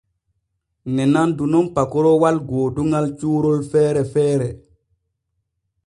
Ne nandu nun pakoroowal gooduŋal cuuron feere feere.